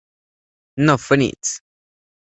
No Friends".